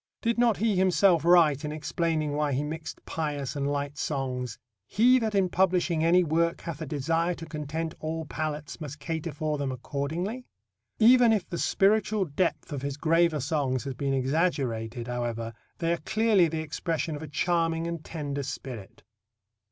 Did not he himself write, in explaining why he mixed pious and light songs; "He that in publishing any work hath a desire to content all palates must cater for them accordingly"? Even if the spiritual depth of his graver songs has been exaggerated, however, they are clearly the expression of a charming and tender spirit.